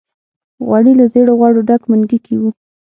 غوړي له زېړو غوړو ډک منګي کې وو.